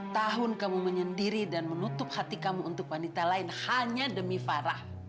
tahun kamu menyendiri dan menutup hati kamu untuk wanita lain hanya demi farah